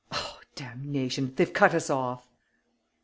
Oh, damnation, they've cut us off!"